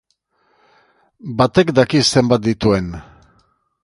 Batek daki zenbat dituen!